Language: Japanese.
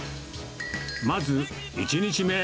まず、１日目。